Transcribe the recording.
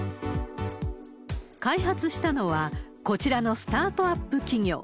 開発したのは、こちらのスタートアップ企業。